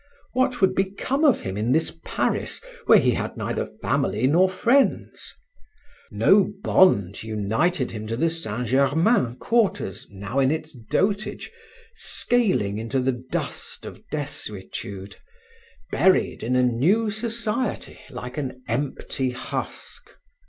What would become of him in this Paris where he had neither family nor friends? No bond united him to the Saint Germain quarters now in its dotage, scaling into the dust of desuetude, buried in a new society like an empty husk.